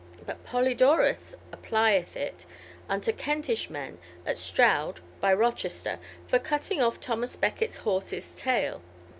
But Polydorus applieth it unto Kentish men at Stroud, by Rochester, for cuttinge off Thomas Becket's horse's tail.